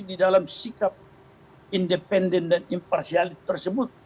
di dalam sikap independen dan imparsial tersebut